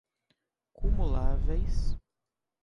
cumuláveis